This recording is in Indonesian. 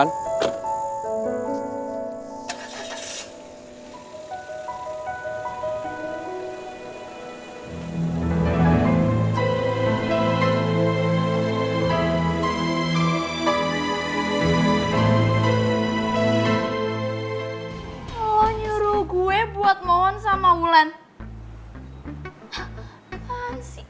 kalo nyuruh gue buat mohon sama ulan